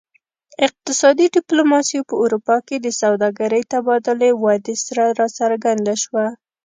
اقتصادي ډیپلوماسي په اروپا کې د سوداګرۍ تبادلې له ودې سره راڅرګنده شوه